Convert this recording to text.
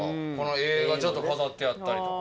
絵がちょっと飾ってあったりとか。